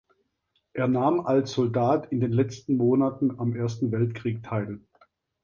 Er nahm als Soldat in den letzten Monaten am Ersten Weltkrieg teil.